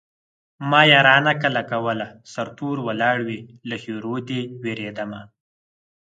ما يارانه کله کوله سرتور ولاړ وې له ښېرو دې وېرېدمه